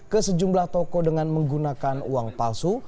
ke sejumlah toko dengan menggunakan uang palsu